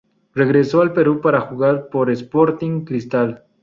Regresó al Perú para jugar por Sporting Cristal.